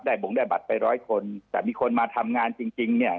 บงได้บัตรไปร้อยคนแต่มีคนมาทำงานจริงจริงเนี่ย